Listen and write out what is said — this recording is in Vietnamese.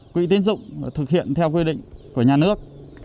quỹ tiến dụng thực hiện theo quy định của nhà nước